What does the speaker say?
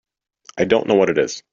I don't know what it is.